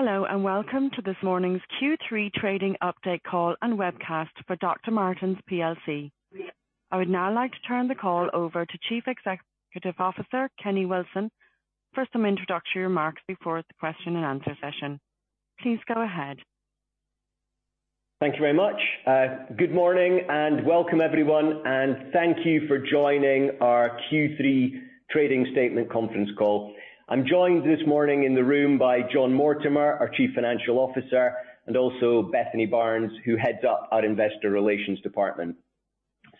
Hello, and welcome to this morning's Q3 trading update call and webcast for Dr. Martens plc. I would now like to turn the call over to Chief Executive Officer Kenny Wilson for some introductory remarks before the question and answer session. Please go ahead. Thank you very much. Good morning and welcome everyone, and thank you for joining our Q3 trading statement conference call. I'm joined this morning in the room by Jon Mortimore, our Chief Financial Officer, and also Bethany Barnes, who heads up our Investor Relations department.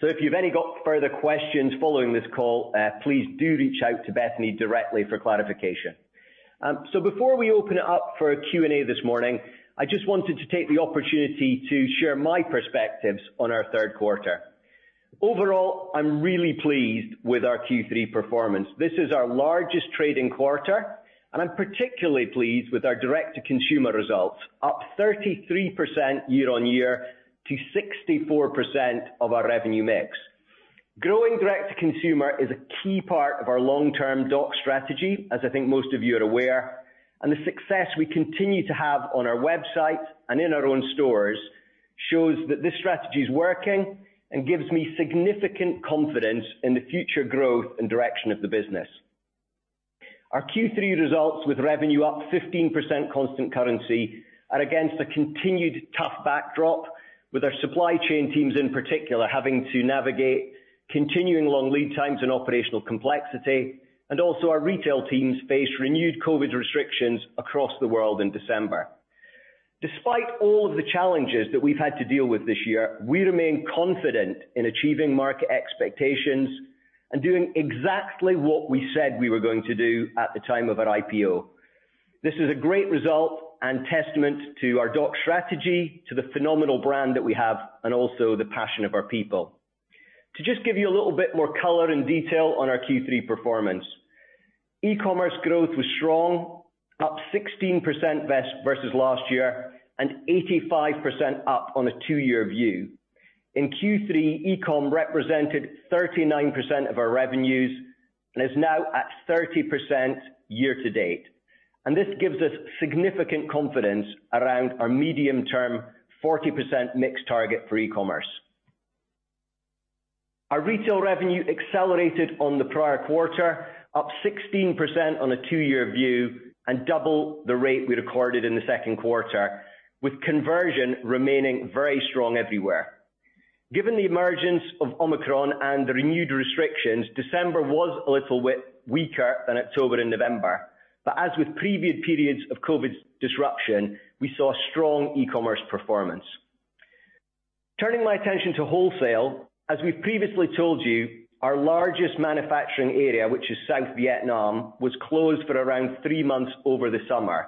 If you've got any further questions following this call, please do reach out to Bethany directly for clarification. Before we open it up for Q&A this morning, I just wanted to take the opportunity to share my perspectives on our third quarter. Overall, I'm really pleased with our Q3 performance. This is our largest trading quarter, and I'm particularly pleased with our direct to consumer results, up 33% year on year to 64% of our revenue mix. Growing direct to consumer is a key part of our long-term DOCS strategy, as I think most of you are aware. The success we continue to have on our website and in our own stores shows that this strategy is working and gives me significant confidence in the future growth and direction of the business. Our Q3 results with revenue up 15% constant currency are against a continued tough backdrop with our supply chain teams in particular having to navigate continuing long lead times and operational complexity. Also our retail teams faced renewed COVID restrictions across the world in December. Despite all of the challenges that we've had to deal with this year, we remain confident in achieving market expectations and doing exactly what we said we were going to do at the time of our IPO. This is a great result and testament to our DOCS strategy, to the phenomenal brand that we have, and also the passion of our people. To just give you a little bit more color and detail on our Q3 performance. E-commerce growth was strong, up 16% versus last year and 85% up on a two-year view. In Q3, e-com represented 39% of our revenues and is now at 30% year to date. This gives us significant confidence around our medium term 40% mix target for e-commerce. Our retail revenue accelerated on the prior quarter, up 16% on a two-year view and double the rate we recorded in the second quarter, with conversion remaining very strong everywhere. Given the emergence of Omicron and the renewed restrictions, December was a little weaker than October and November. As with previous periods of COVID disruption, we saw strong e-commerce performance. Turning my attention to wholesale. As we previously told you, our largest manufacturing area, which is South Vietnam, was closed for around three months over the summer.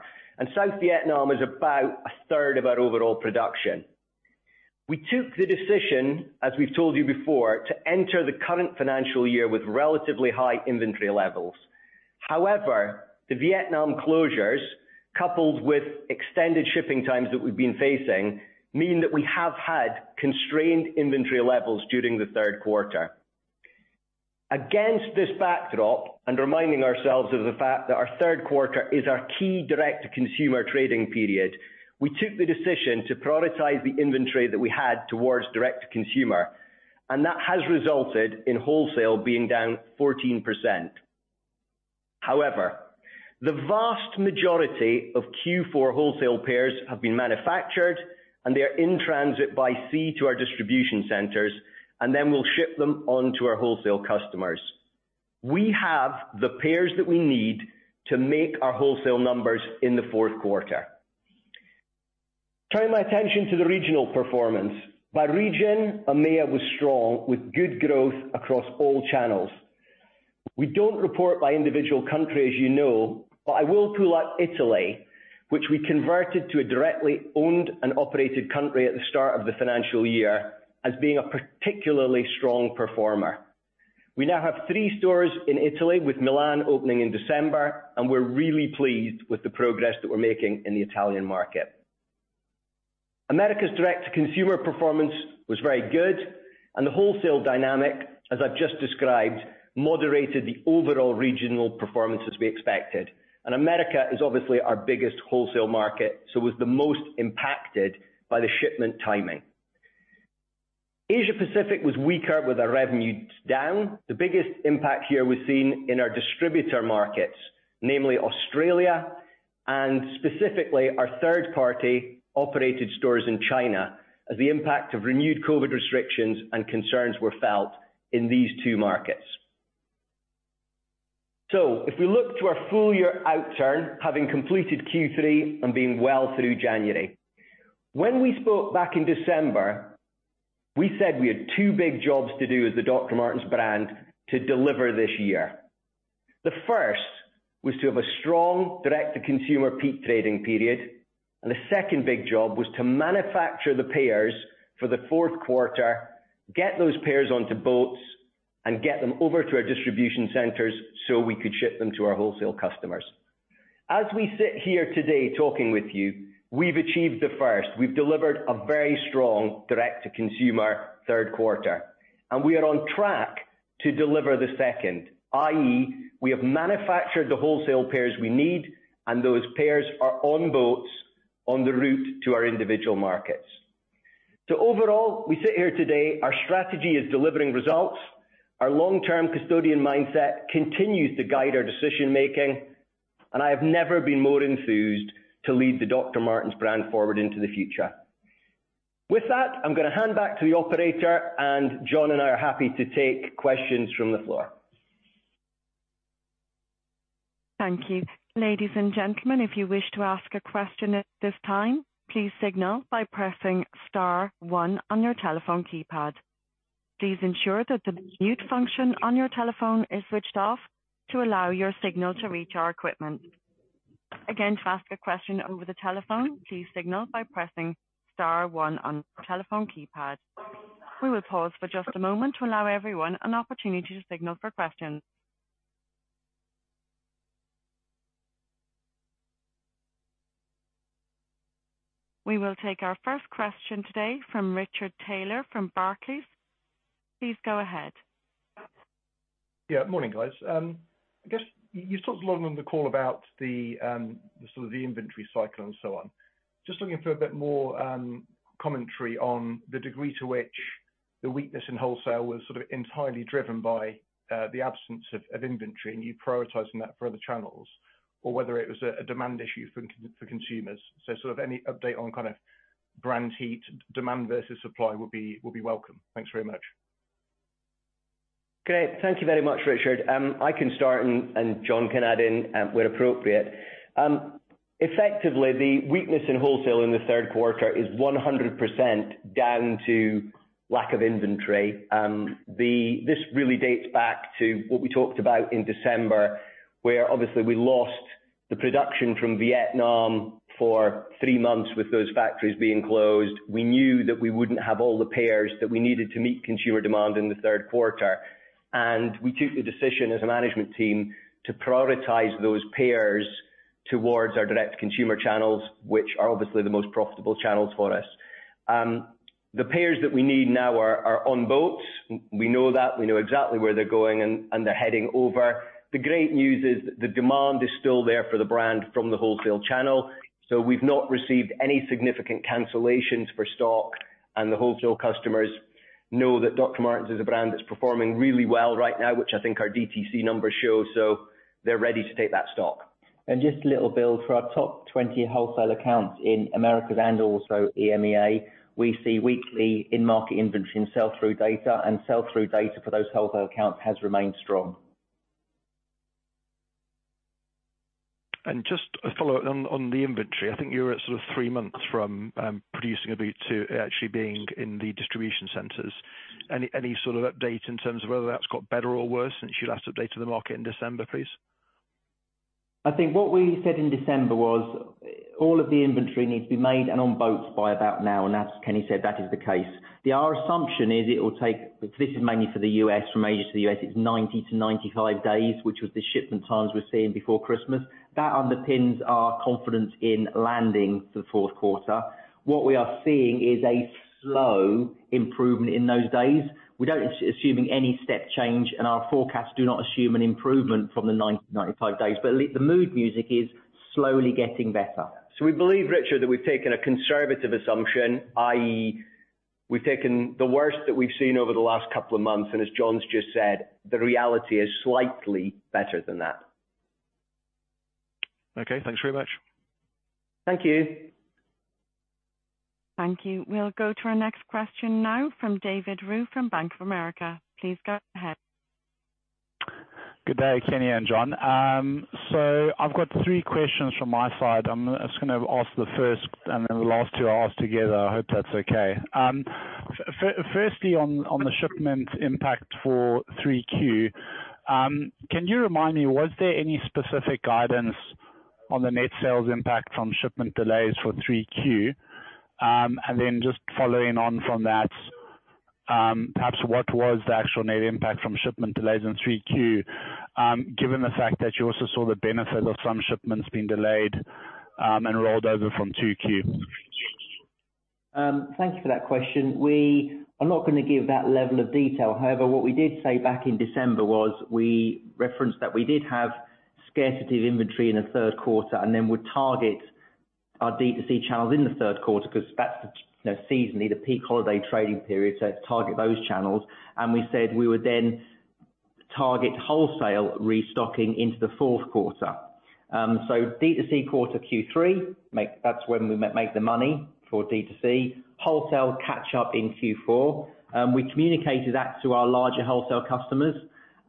South Vietnam is about a third of our overall production. We took the decision, as we've told you before, to enter the current financial year with relatively high inventory levels. However, the Vietnam closures, coupled with extended shipping times that we've been facing, mean that we have had constrained inventory levels during the third quarter. Against this backdrop, and reminding ourselves of the fact that our third quarter is our key direct to consumer trading period, we took the decision to prioritize the inventory that we had towards direct to consumer, and that has resulted in wholesale being down 14%. However, the vast majority of Q4 wholesale pairs have been manufactured and they are in transit by sea to our distribution centers, and then we'll ship them on to our wholesale customers. We have the pairs that we need to make our wholesale numbers in the fourth quarter. Turning my attention to the regional performance. By region, EMEA was strong with good growth across all channels. We don't report by individual country, as you know, but I will pull out Italy, which we converted to a directly owned and operated country at the start of the financial year as being a particularly strong performer. We now have three stores in Italy, with Milan opening in December, and we're really pleased with the progress that we're making in the Italian market. Americas direct to consumer performance was very good and the wholesale dynamic, as I've just described, moderated the overall regional performance as we expected. America is obviously our biggest wholesale market, so was the most impacted by the shipment timing. Asia Pacific was weaker with our revenues down. The biggest impact here we've seen in our distributor markets, namely Australia and specifically our third-party operated stores in China as the impact of renewed COVID restrictions and concerns were felt in these two markets. If we look to our full year outturn, having completed Q3 and being well through January, when we spoke back in December, we said we had two big jobs to do as the Dr. Martens brand to deliver this year. The first was to have a strong direct to consumer peak trading period, and the second big job was to manufacture the pairs for the fourth quarter, get those pairs onto boats and get them over to our distribution centers so we could ship them to our wholesale customers. As we sit here today talking with you, we've achieved the first. We've delivered a very strong direct to consumer third quarter. We are on track to deliver the second, i.e., we have manufactured the wholesale pairs we need, and those pairs are on boats on the route to our individual markets. Overall, we sit here today, our strategy is delivering results. Our long-term custodian mindset continues to guide our decision-making, and I have never been more enthused to lead the Dr. Martens brand forward into the future. With that, I'm gonna hand back to the operator, and Jon and I are happy to take questions from the floor. Thank you. Ladies and gentlemen, if you wish to ask a question at this time, please signal by pressing star one on your telephone keypad. Please ensure that the mute function on your telephone is switched off to allow your signal to reach our equipment. Again, to ask a question over the telephone, please signal by pressing star one on your telephone keypad. We will pause for just a moment to allow everyone an opportunity to signal for questions. We will take our first question today from Richard Taylor from Barclays. Please go ahead. Yeah, morning, guys. I guess you talked a lot on the call about the sort of the inventory cycle and so on. Just looking for a bit more commentary on the degree to which the weakness in wholesale was sort of entirely driven by the absence of inventory and you prioritizing that for other channels. Or whether it was a demand issue for consumers. Any update on kind of brand heat, demand versus supply would be welcome. Thanks very much. Okay. Thank you very much, Richard. I can start and Jon can add in where appropriate. Effectively, the weakness in wholesale in the third quarter is 100% down to lack of inventory. This really dates back to what we talked about in December, where obviously we lost the production from Vietnam for three months with those factories being closed. We knew that we wouldn't have all the pairs that we needed to meet consumer demand in the third quarter. We took the decision as a management team to prioritize those pairs towards our direct consumer channels, which are obviously the most profitable channels for us. The pairs that we need now are on boats. We know that. We know exactly where they're going and they're heading over. The great news is the demand is still there for the brand from the wholesale channel. We've not received any significant cancellations for stock, and the wholesale customers know that Dr. Martens is a brand that's performing really well right now, which I think our DTC numbers show. They're ready to take that stock. Just a little build for our top 20 wholesale accounts in Americas and also EMEA. We see weekly in-market inventory and sell-through data, and sell-through data for those wholesale accounts has remained strong. Just a follow on the inventory. I think you're at sort of three months from producing a boot to it actually being in the distribution centers. Any sort of update in terms of whether that's got better or worse since you last updated the market in December, please? I think what we said in December was all of the inventory needs to be made and on boats by about now. As Kenny said, that is the case. Our assumption is it will take, this is mainly for the U.S., from Asia to the U.S., it's 90-95 days, which was the shipment times we're seeing before Christmas. That underpins our confidence in landing the fourth quarter. What we are seeing is a slow improvement in those days. We don't assume any step change, and our forecasts do not assume an improvement from the 90-95 days. At least the mood music is slowly getting better. We believe, Richard, that we've taken a conservative assumption, i.e., we've taken the worst that we've seen over the last couple of months, and as Jon's just said, the reality is slightly better than that. Okay, thanks very much. Thank you. Thank you. We'll go to our next question now from David Roux from Bank of America. Please go ahead. Good day, Kenny and Jon. So I've got three questions from my side. I'm just gonna ask the first and then the last two are asked together. I hope that's okay. Firstly on the shipment impact for 3Q, can you remind me, was there any specific guidance on the net sales impact from shipment delays for 3Q? Just following on from that, perhaps what was the actual net impact from shipment delays in 3Q, given the fact that you also saw the benefit of some shipments being delayed and rolled over from 2Q? Thank you for that question. We are not gonna give that level of detail. However, what we did say back in December was we referenced that we did have scarcity of inventory in the third quarter and then would target our DTC channels in the third quarter 'cause that's, you know, seasonally the peak holiday trading period, so target those channels. We said we would then target wholesale restocking into the fourth quarter. DTC quarter Q3, that's when we make the money for DTC. Wholesale catch up in Q4. We communicated that to our larger wholesale customers.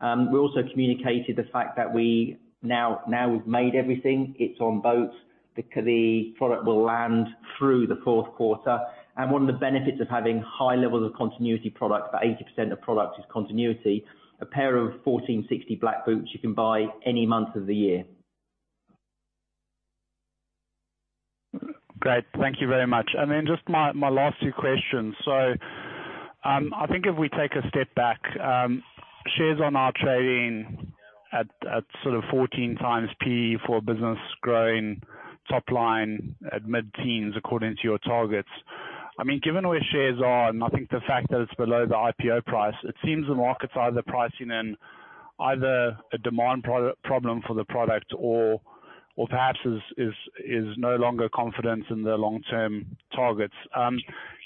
We also communicated the fact that we now we've made everything. It's on boats. The product will land through the fourth quarter. One of the benefits of having high levels of continuity product, about 80% of product is continuity. A pair of 1460 black boots you can buy any month of the year. Great. Thank you very much. Just my last two questions. I think if we take a step back, shares are trading at sort of 14x P/E for a business growing top line at mid-teens according to your targets. I mean, given where shares are, and I think the fact that it's below the IPO price, it seems the markets are either pricing in a demand problem for the product or perhaps is no longer confident in the long-term targets.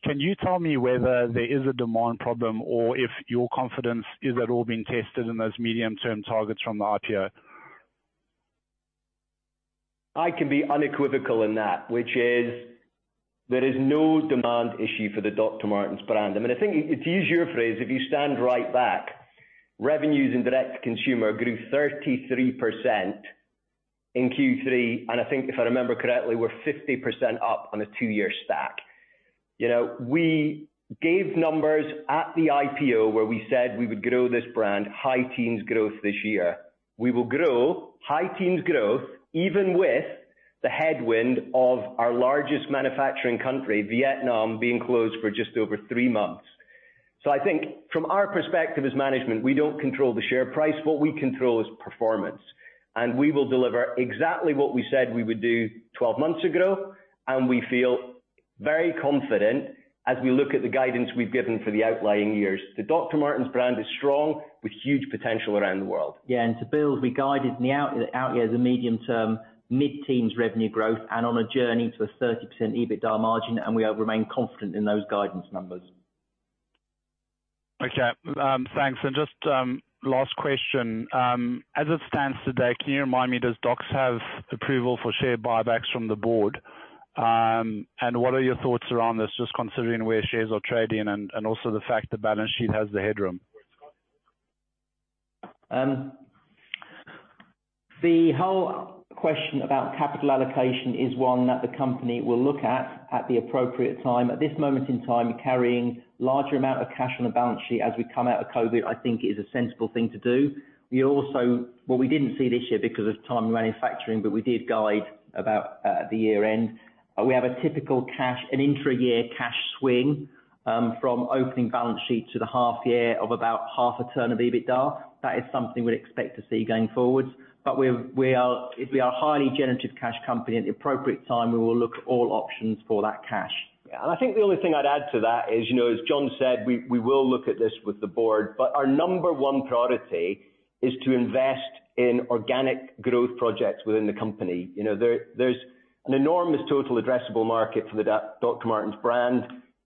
Can you tell me whether there is a demand problem or if your confidence is at all being tested in those medium-term targets from the IPO? I can be unequivocal in that, which is there is no demand issue for the Dr. Martens brand. I mean, I think to use your phrase, if you stand right back, revenues in direct to consumer grew 33% in Q3. I think if I remember correctly, we're 50% up on a two-year stack. You know, we gave numbers at the IPO where we said we would grow this brand high teens growth this year. We will grow high teens growth even with the headwind of our largest manufacturing country, Vietnam, being closed for just over three months. I think from our perspective as management, we don't control the share price. What we control is performance. We will deliver exactly what we said we would do 12 months ago, and we feel very confident as we look at the guidance we've given for the outlying years. The Dr. Martens brand is strong with huge potential around the world. Yeah. To build, we guided in the out year as a medium-term mid-teens revenue growth and on a journey to a 30% EBITDA margin, and we have remained confident in those guidance numbers. Okay. Thanks. Just last question. As it stands today, can you remind me, does DOCS have approval for share buybacks from the board? What are your thoughts around this, just considering where shares are trading and also the fact the balance sheet has the headroom? The whole question about capital allocation is one that the company will look at at the appropriate time. At this moment in time, carrying larger amount of cash on the balance sheet as we come out of COVID, I think is a sensible thing to do. What we didn't see this year because of timing of manufacturing, but we did guide about the year-end. We have a typical intra-year cash swing from opening balance sheet to the half-year of about half a turn of EBITDA. That is something we'd expect to see going forward. We are a highly cash-generative company. At the appropriate time, we will look at all options for that cash. Yeah. I think the only thing I'd add to that is, you know, as Jon said, we will look at this with the board, but our number one priority is to invest in organic growth projects within the company. You know, there's an enormous total addressable market for the Dr. Martens brand,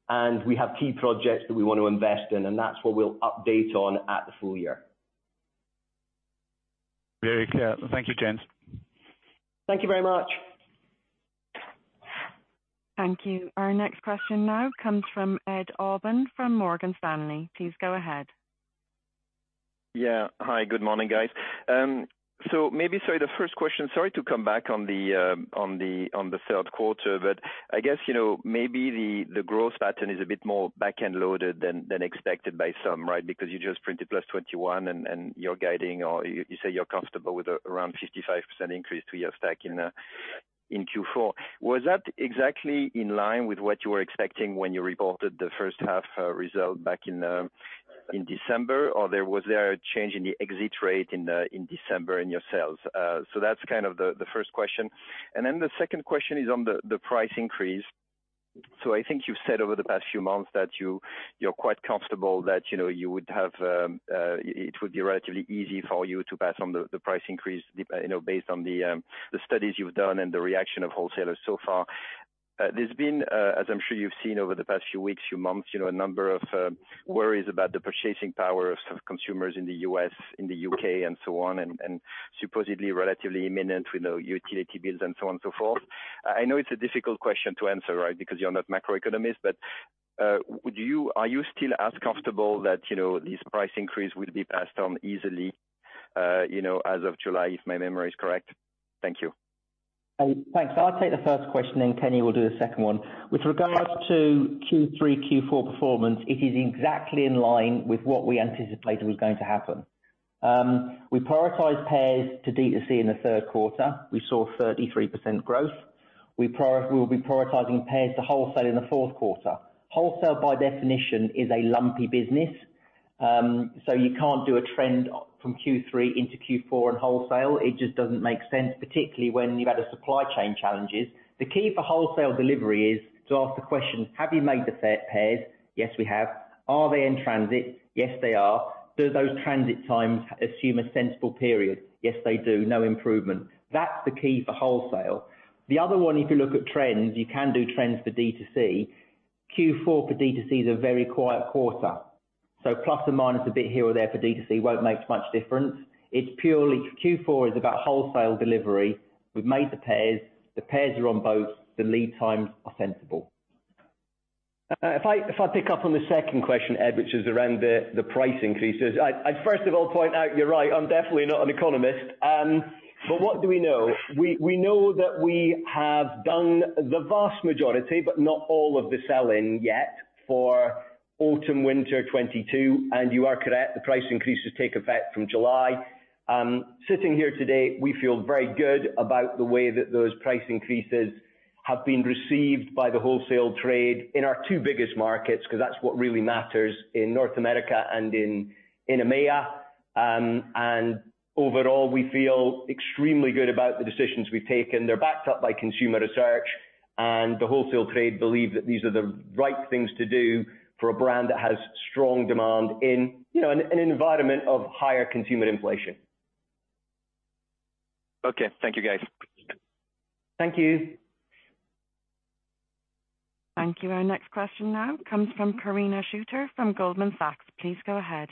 and we have key projects that we want to invest in, and that's what we'll update on at the full year. Very clear. Thank you, gent's. Thank you very much. Thank you. Our next question now comes from Ed Aubin from Morgan Stanley. Please go ahead. Yeah. Hi, good morning, guys. So maybe, sorry, the first question, sorry to come back on the third quarter, but I guess, you know, maybe the growth pattern is a bit more back-end loaded than expected by some, right? Because you just printed +21% and you're guiding or you say you're comfortable with around 55% increase three-year stack in Q4. Was that exactly in line with what you were expecting when you reported the first-half result back in December? Or, was there a change in the exit rate in December in your sales? So that's kind of the first question. Then the second question is on the price increase. I think you've said over the past few months that you're quite comfortable that, you know, you would have it would be relatively easy for you to pass on the price increase, you know, based on the studies you've done and the reaction of wholesalers so far. There's been, as I'm sure you've seen over the past few weeks, few months, you know, a number of worries about the purchasing power of consumers in the U.S., in the U.K. and so on, and supposedly relatively imminent, you know, utility bills and so on and so forth. I know it's a difficult question to answer, right, because you're not a macroeconomist, but, are you still as comfortable that, you know, this price increase will be passed on easily, you know, as of July, if my memory is correct? Thank you. Thanks. I'll take the first question, then Kenny will do the second one. With regards to Q3, Q4 performance, it is exactly in line with what we anticipated was going to happen. We prioritized pairs to D2C in the third quarter. We saw 33% growth. We will be prioritizing pairs to wholesale in the fourth quarter. Wholesale, by definition, is a lumpy business. You can't do a trend from Q3 into Q4 in wholesale. It just doesn't make sense, particularly when you've had the supply chain challenges. The key for wholesale delivery is to ask the question, have you made the pairs? Yes, we have. Are they in transit? Yes, they are. Do those transit times assume a sensible period? Yes, they do. No improvement. That's the key for wholesale. The other one, if you look at trends, you can do trends for D2C. Q4 for D2C is a very quiet quarter. Plus or minus a bit here or there for D2C won't make much difference. It's purely, Q4 is about wholesale delivery. We've made the pairs, the pairs are on boats, the lead times are sensible. If I pick up on the second question, Ed, which is around the price increases. I first of all point out, you're right, I'm definitely not an economist. What do we know? We know that we have done the vast majority, but not all of the sell-in yet for autumn-winter 22. You are correct, the price increases take effect from July. Sitting here today, we feel very good about the way that those price increases have been received by the wholesale trade in our two biggest markets, because that's what really matters in North America and in EMEA. Overall we feel extremely good about the decisions we've taken. They're backed up by consumer research. The wholesale trade believe that these are the right things to do for a brand that has strong demand in, you know, an environment of higher consumer inflation. Okay, thank you guys. Thank you. Thank you. Our next question now comes from Karina Shooter from Goldman Sachs. Please go ahead.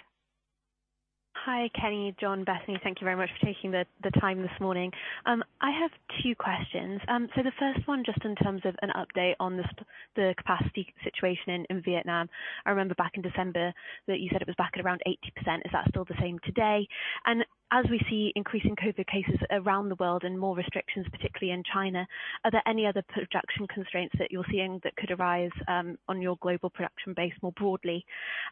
Hi, Kenny, Jon, Bethany, thank you very much for taking the time this morning. I have two questions. The first one, just in terms of an update on the capacity situation in Vietnam. I remember back in December that you said it was back at around 80%. Is that still the same today? And as we see increasing COVID cases around the world and more restrictions, particularly in China, are there any other production constraints that you're seeing that could arise on your global production base more broadly?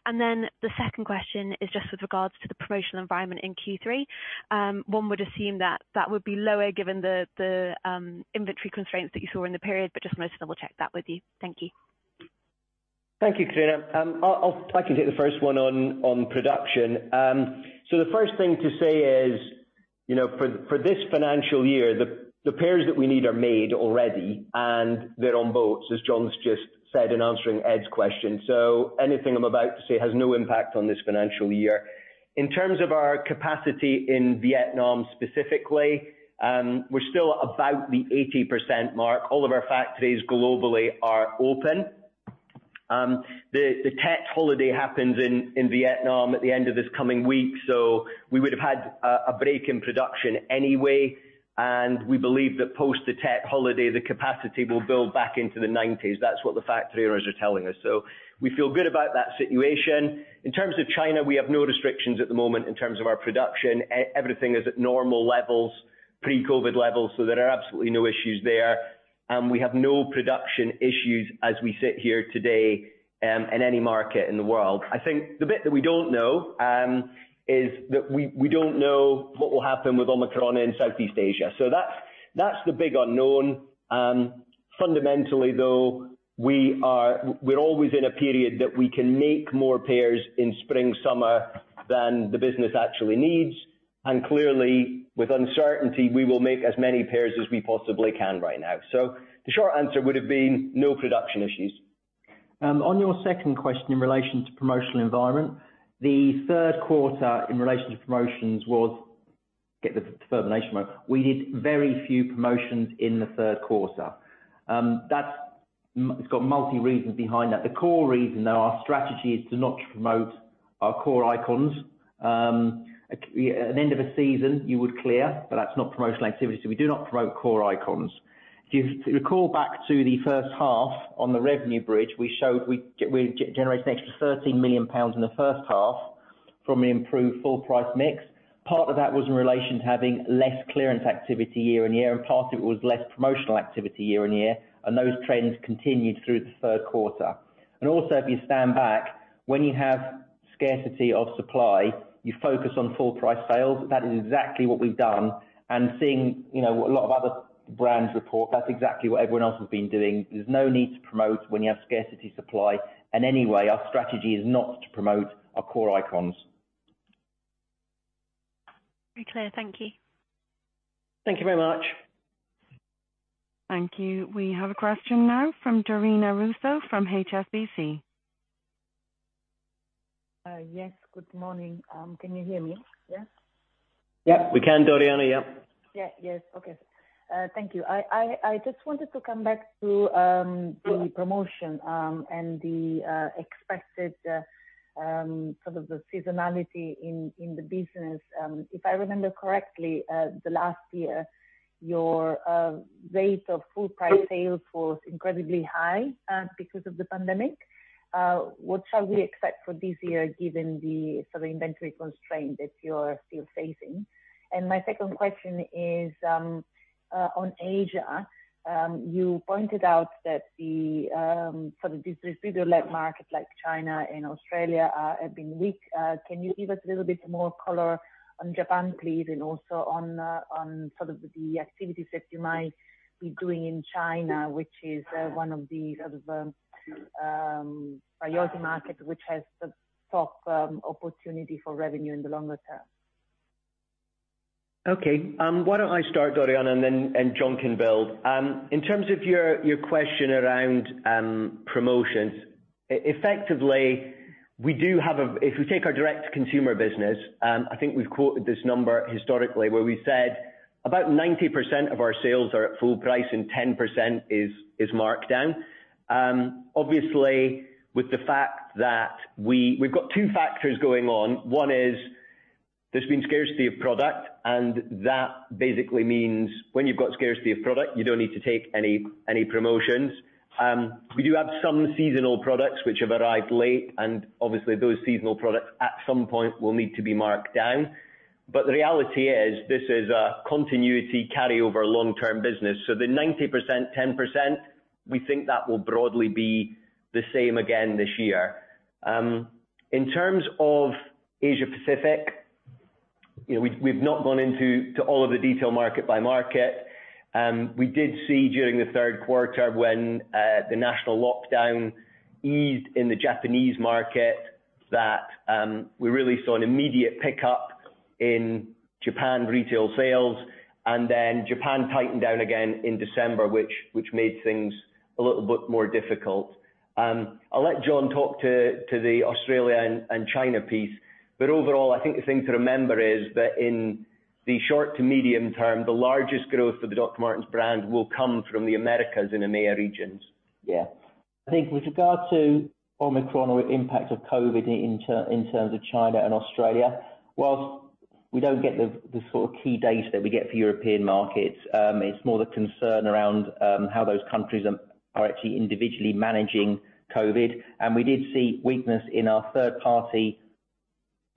And then the second question is just with regards to the promotional environment in Q3. One would assume that that would be lower given the inventory constraints that you saw in the period. Just wanted to double-check that with you. Thank you. Thank you, Karina. I'll take the first one on production. The first thing to say is, you know, for this financial year, the pairs that we need are made already and they're on boats, as Jon's just said in answering Ed's question. Anything I'm about to say has no impact on this financial year. In terms of our capacity in Vietnam specifically, we're still about the 80% mark. All of our factories globally are open. The Tết holiday happens in Vietnam at the end of this coming week, so we would have had a break in production anyway. We believe that post the Tết holiday, the capacity will build back into the 90s. That's what the factory owners are telling us. We feel good about that situation. In terms of China, we have no restrictions at the moment in terms of our production. Everything is at normal levels, pre-COVID levels, so there are absolutely no issues there. We have no production issues as we sit here today, in any market in the world. I think the bit that we don't know is that we don't know what will happen with Omicron in Southeast Asia. That's the big unknown. Fundamentally though, we're always in a period that we can make more pairs in spring/summer than the business actually needs. Clearly, with uncertainty, we will make as many pairs as we possibly can right now. The short answer would have been no production issues. On your second question in relation to promotional environment, the third quarter in relation to promotions was to get the information right. We did very few promotions in the third quarter. That's got multiple reasons behind that. The core reason, though, our strategy is to not promote our core icons. At the end of a season, you would clear, but that's not promotional activity. We do not promote core icons. If you recall back to the first half on the revenue bridge, we showed we generated an extra 13 million pounds in the first half from an improved full price mix. Part of that was in relation to having less clearance activity year-on-year, and part of it was less promotional activity year-on-year, and those trends continued through the third quarter. Also, if you stand back, when you have scarcity of supply, you focus on full price sales. That is exactly what we've done. Seeing, you know, a lot of other brands report, that's exactly what everyone else has been doing. There's no need to promote when you have scarcity supply. Anyway, our strategy is not to promote our core icons. Very clear. Thank you. Thank you very much. Thank you. We have a question now from Doriana Russo from HSBC. Yes, good morning. Can you hear me? Yes. Yep, we can, Doriana. Yep. Thank you. I just wanted to come back to the promotion and the expected sort of the seasonality in the business. If I remember correctly, last year your rate of full price sales was incredibly high because of the pandemic. What shall we expect for this year, given the sort of inventory constraint that you're still facing? My second question is on Asia. You pointed out that the sort of distributor-led market like China and Australia have been weak. Can you give us a little bit more color on Japan, please, and also on sort of the activities that you might be doing in China, which is one of these sort of priority markets which has the top opportunity for revenue in the longer-term? Okay. Why don't I start, Doriana, and then Jon can build. In terms of your question around promotions, effectively, we do have a -- If we take our direct consumer business, I think we've quoted this number historically where we said about 90% of our sales are at full price and 10% is marked down. Obviously, with the fact that we've got two factors going on. One is there's been scarcity of product, and that basically means when you've got scarcity of product, you don't need to take any promotions. We do have some seasonal products which have arrived late, and obviously those seasonal products at some point will need to be marked down. The reality is this is a continuity carryover long-term business. The 90%, 10%, we think that will broadly be the same again this year. In terms of Asia Pacific, you know, we've not gone into all of the detail market by market. We did see during the third quarter when the national lockdown eased in the Japanese market that we really saw an immediate pickup in Japan retail sales and then Japan tightened down again in December which made things a little bit more difficult. I'll let Jon talk to the Australia and China piece. Overall, I think the thing to remember is that in the short- to medium-term, the largest growth of the Dr. Martens brand will come from the Americas and EMEA regions. Yeah. I think with regard to Omicron or impact of COVID in terms of China and Australia, while we don't get the sort of key data that we get for European markets, it's more the concern around how those countries are actually individually managing COVID. We did see weakness in our third party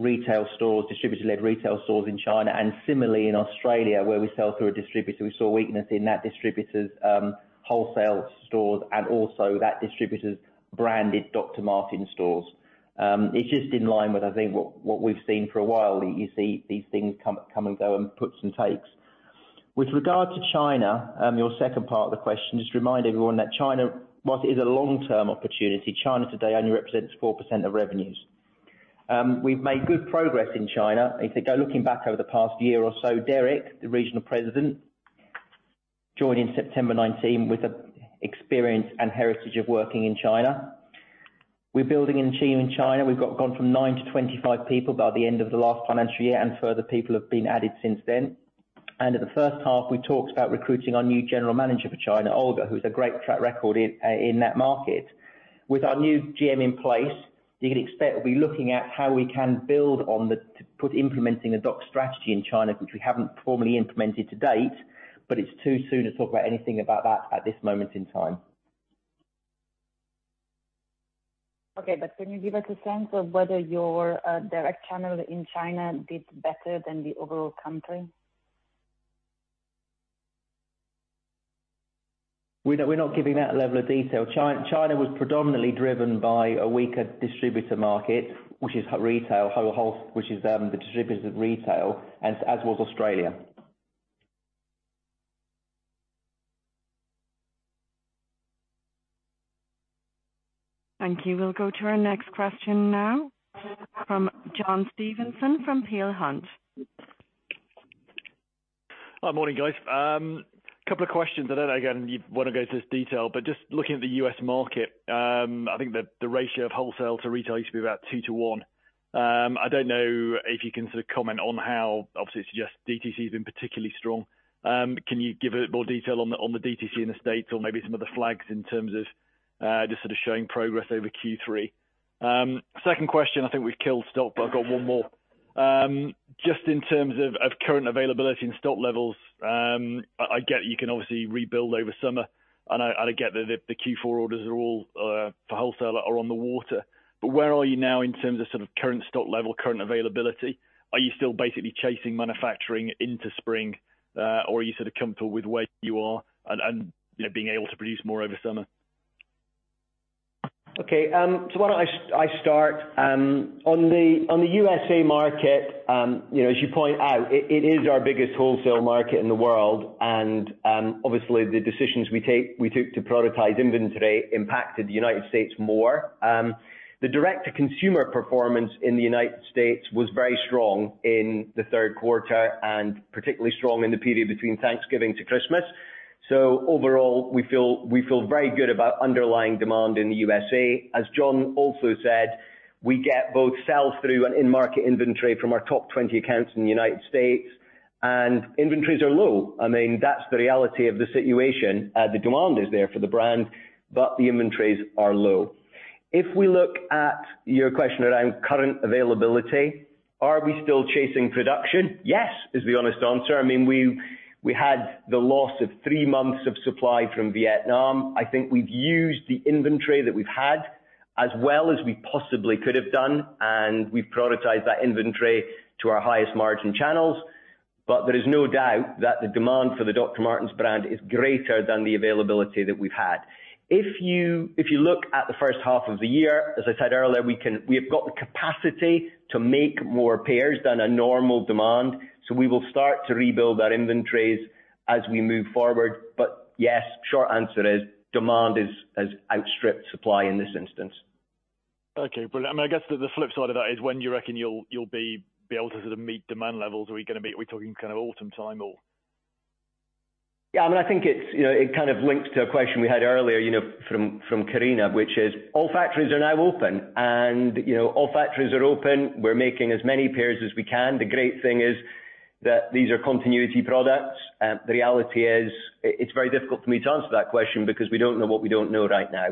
retail stores, distributor-led retail stores in China. Similarly in Australia, where we sell through a distributor, we saw weakness in that distributor's wholesale stores and also that distributor's branded Dr. Martens stores. It's just in line with, I think, what we've seen for a while. You see these things come and go and puts and takes. With regard to China, your second part of the question, just remind everyone that China, while it is a long-term opportunity, China today only represents 4% of revenues. We've made good progress in China. If you go looking back over the past year or so, Derek, the Regional President, joined in September 2019 with the experience and heritage of working in China. We're building a team in China. We've gone from 9 to 25 people by the end of the last financial year, and further people have been added since then. In the first half, we talked about recruiting our new General Manager for China, Olga, who has a great track record in that market. With our new GM in place, you can expect we'll be looking at how we can build on that to implement a DOCS strategy in China, which we haven't formally implemented to date, but it's too soon to talk about anything about that at this moment in time. Okay. Can you give us a sense of whether your direct channel in China did better than the overall country? We're not giving that level of detail. China was predominantly driven by a weaker distributor market, which is retail wholesale, the distributors of retail, as was Australia. Thank you. We'll go to our next question now from John Stevenson from Peel Hunt. Hi. Morning, guys. Couple of questions. I don't know, again, if you wanna go to this detail, but just looking at the U.S. market, I think the ratio of wholesale to retail used to be about 2 to 1. I don't know if you can sort of comment on how, obviously, DTC has been particularly strong. Can you give a bit more detail on the DTC in the States or maybe some of the flags in terms of just sort of showing progress over Q3? Second question. I think we've covered stock, but I've got one more. Just in terms of current availability and stock levels, I get you can obviously rebuild over summer and I get that the Q4 orders for wholesale are all on the water. Where are you now in terms of sort of current stock level, current availability? Are you still basically chasing manufacturing into spring, or are you sort of comfortable with where you are and, you know, being able to produce more over summer? Okay. Why don't I start? On the USA market, you know, as you point out, it is our biggest wholesale market in the world. Obviously the decisions we take, we took to prioritize inventory impacted the United States more. The direct to consumer performance in the United States was very strong in the third quarter and particularly strong in the period between Thanksgiving to Christmas. Overall, we feel very good about underlying demand in the USA. As Jon also said, we get both sell through and in-market inventory from our top 20 accounts in the United States. Inventories are low. I mean, that's the reality of the situation. The demand is there for the brand, but the inventories are low. If we look at your question around current availability, are we still chasing production? Yes, is the honest answer. I mean, we had the loss of three months of supply from Vietnam. I think we've used the inventory that we've had as well as we possibly could have done, and we've prioritized that inventory to our highest margin channels. There is no doubt that the demand for the Dr. Martens brand is greater than the availability that we've had. If you look at the first half of the year, as I said earlier, we have got the capacity to make more pairs than a normal demand. We will start to rebuild our inventories as we move forward. Yes, short answer is, demand has outstripped supply in this instance. Okay. Brilliant. I mean, I guess the flip side of that is when you reckon you'll be able to sort of meet demand levels. Are we talking kind of autumn time or? Yeah, I mean, I think it's, you know, it kind of links to a question we had earlier, you know, from Karina, which is all factories are now open. You know, all factories are open. We're making as many pairs as we can. The great thing is that these are continuity products. The reality is, it's very difficult for me to answer that question because we don't know what we don't know right now.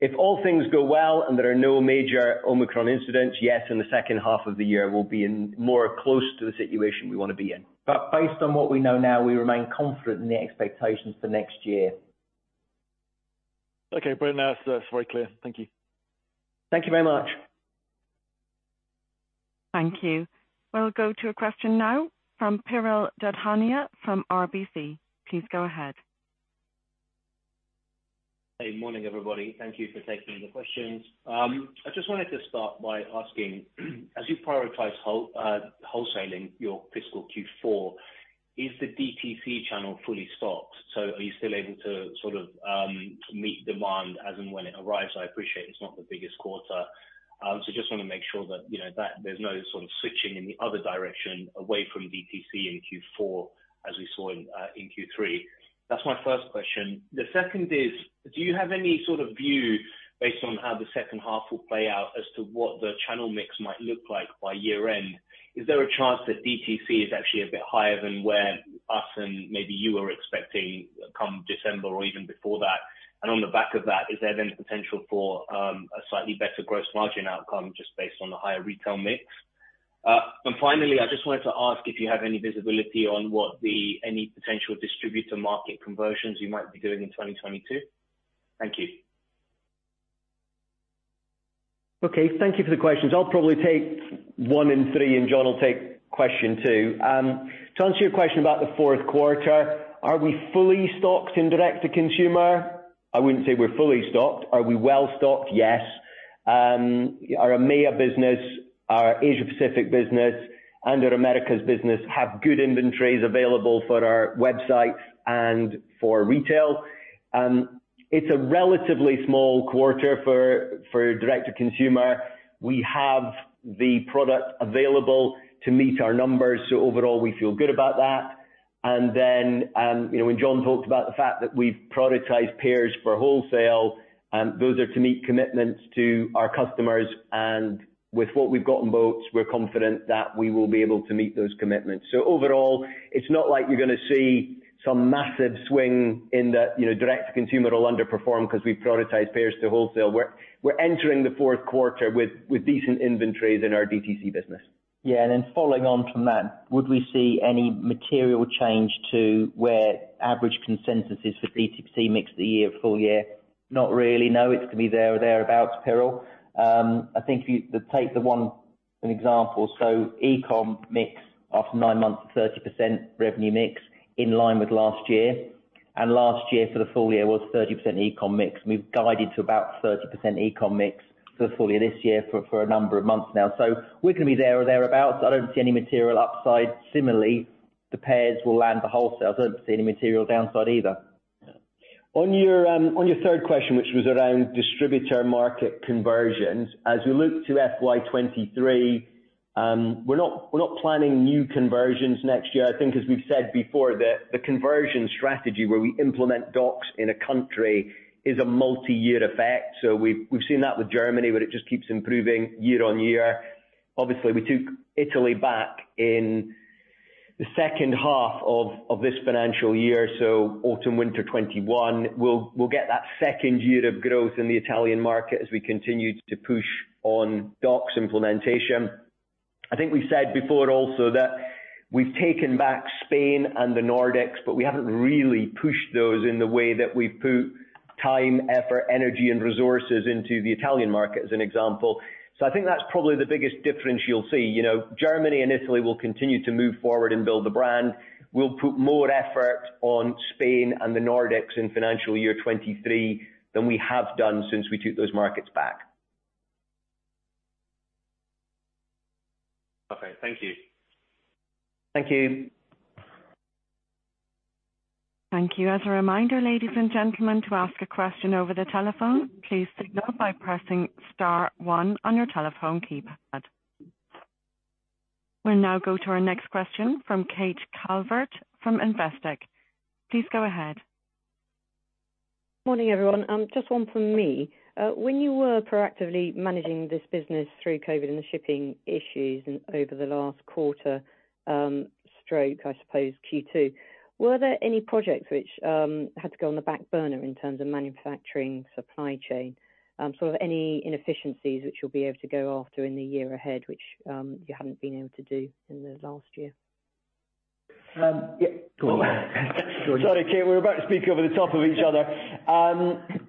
If all things go well and there are no major Omicron incidents, yes, in the second half of the year we'll be in more close to the situation we wanna be in. Based on what we know now, we remain confident in the expectations for next year. Okay. Brilliant. That's very clear. Thank you. Thank you very much. Thank you. We'll go to a question now from Piral Dadhania from RBC. Please go ahead. Hey, morning, everybody. Thank you for taking the questions. I just wanted to start by asking as you prioritize wholesale in your fiscal Q4, is the DTC channel fully stocked? Are you still able to sort of meet demand as and when it arrives? I appreciate it's not the biggest quarter. Just wanna make sure that, you know, that there's no sort of switching in the other direction away from DTC in Q4 as we saw in Q3. That's my first question. The second is, do you have any sort of view based on how the second half will play out as to what the channel mix might look like by year end? Is there a chance that DTC is actually a bit higher than where we and maybe you are expecting come December or even before that? On the back of that, is there then potential for a slightly better gross margin outcome just based on the higher retail mix? Finally, I just wanted to ask if you have any visibility on what any potential distributor market conversions you might be doing in 2022. Thank you. Okay, thank you for the questions. I'll probably take one and three, and Jon will take question two. To answer your question about the fourth quarter, are we fully stocked in direct-to-consumer? I wouldn't say we're fully stocked. Are we well stocked? Yes. Our EMEA business, our Asia Pacific business, and our Americas business have good inventories available for our websites and for retail. It's a relatively small quarter for direct-to-consumer. We have the product available to meet our numbers, so overall we feel good about that. You know, when Jon talked about the fact that we've prioritized pairs for wholesale, those are to meet commitments to our customers, and with what we've got in boots, we're confident that we will be able to meet those commitments. Overall, it's not like you're gonna see some massive swing in that, you know, direct to consumer will underperform 'cause we prioritize pairs to wholesale. We're entering the fourth quarter with decent inventories in our DTC business. Yeah, following on from that, would we see any material change to where average consensus is for DTC mix the year, full year? Not really, no. It's gonna be there or thereabouts, Piral. I think if you take the one as an example, e-comm mix after nine months, 30% revenue mix in line with last year. Last year for the full year was 30% e-comm mix. We've guided to about 30% e-comm mix for the full year this year for a number of months now. We're gonna be there or thereabouts. I don't see any material upside. Similarly, the pairs will land for wholesale. I don't see any material downside either. On your third question, which was around distributor market conversions, as we look to FY 2023, we're not planning new conversions next year. I think as we've said before, the conversion strategy where we implement DOCS in a country is a multiyear effect. We've seen that with Germany, where it just keeps improving year-on-year. Obviously, we took Italy back in the second half of this financial year, so autumn/winter 2021. We'll get that second year of growth in the Italian market as we continue to push on DOCS implementation. I think we said before also that we've taken back Spain and the Nordics, but we haven't really pushed those in the way that we've put time, effort, energy and resources into the Italian market, as an example. I think that's probably the biggest difference you'll see. You know, Germany and Italy will continue to move forward and build the brand. We'll put more effort on Spain and the Nordics in financial year 2023 than we have done since we took those markets back. Okay, thank you. Thank you. Thank you. As a reminder, ladies and gentlemen, to ask a question over the telephone, please signal by pressing star one on your telephone keypad. We'll now go to our next question from Kate Calvert from Investec. Please go ahead. Morning, everyone. Just one from me. When you were proactively managing this business through COVID and the shipping issues over the last quarter, stroke, I suppose Q2, were there any projects which had to go on the back burner in terms of manufacturing, supply chain? Sort of any inefficiencies which you'll be able to go after in the year ahead, which you haven't been able to do in the last year? Yeah. Go on. Sorry, Kate. We were about to speak over the top of each other.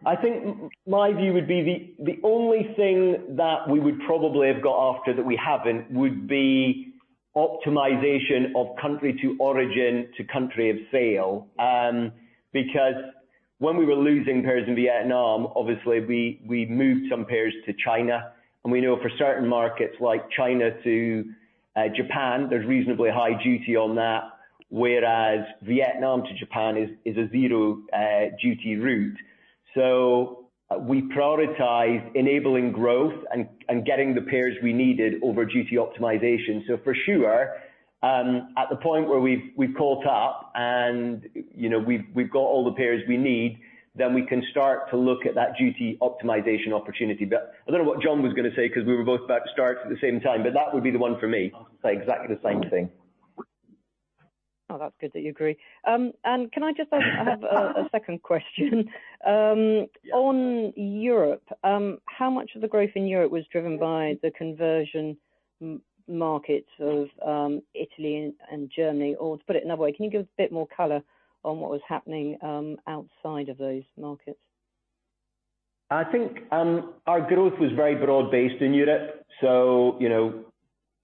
I think my view would be the only thing that we would probably have got after that we haven't would be optimization of country of origin to country of sale. Because when we were losing pairs in Vietnam, obviously we moved some pairs to China. We know for certain markets like China to Japan, there's reasonably high duty on that, whereas Vietnam to Japan is a zero duty route. We prioritize enabling growth and getting the pairs we needed over duty optimization. For sure, at the point where we've caught up and we've got all the pairs we need, then we can start to look at that duty optimization opportunity. I don't know what Jon was gonna say 'cause we were both about to start at the same time, but that would be the one for me. Say exactly the same thing. Oh, that's good that you agree. Can I just have a second question? On Europe, how much of the growth in Europe was driven by the conversion market of Italy and Germany? Or to put it another way, can you give a bit more color on what was happening outside of those markets? I think our growth was very broad-based in Europe. You know,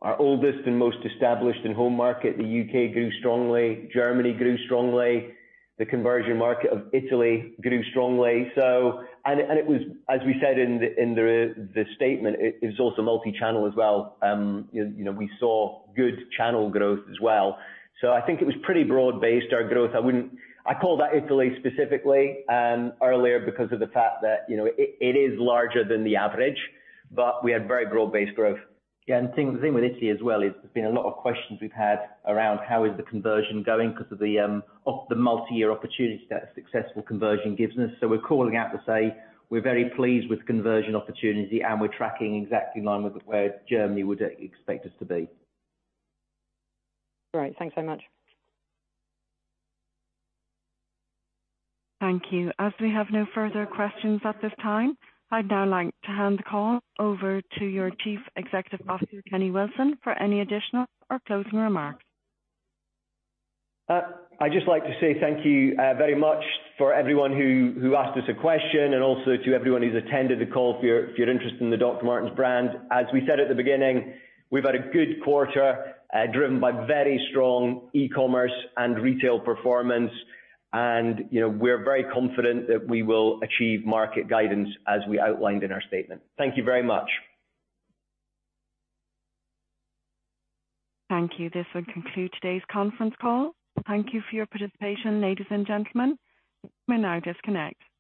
our oldest and most established in our home market, the U.K. grew strongly, Germany grew strongly. The conversion market of Italy grew strongly. It was as we said in the statement, it was also multi-channel as well. You know, we saw good channel growth as well. I think it was pretty broad-based, our growth. I called out Italy specifically earlier because of the fact that, you know, it is larger than the average, but we had very broad-based growth. Yeah, the thing with Italy as well is there's been a lot of questions we've had around how is the conversion going 'cause of the multi-year opportunity that a successful conversion gives us. We're calling out to say, we're very pleased with conversion opportunity, and we're tracking exactly in line with where Germany would expect us to be. Great. Thanks so much. Thank you. As we have no further questions at this time, I'd now like to hand the call over to your Chief Executive Officer, Kenny Wilson, for any additional or closing remarks. I'd just like to say thank you very much for everyone who asked us a question and also to everyone who's attended the call for your interest in the Dr. Martens brand. As we said at the beginning, we've had a good quarter driven by very strong e-commerce and retail performance. You know, we're very confident that we will achieve market guidance as we outlined in our statement. Thank you very much. Thank you. This will conclude today's conference call. Thank you for your participation, ladies and gentlemen. You may now disconnect.